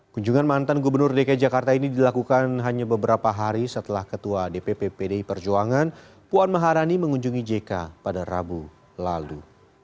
kunjungan mantan gubernur dki jakarta ini dilakukan hanya beberapa hari setelah ketua dpp pdi perjuangan puan maharani mengunjungi jk pada rabu lalu